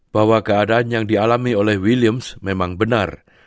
bahwa keadaan yang dialami oleh williams memang benar